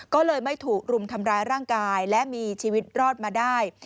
ก็เลยไม่ถูกรุมทำร้ายร่างกายและมีชีวิตรอดมาได้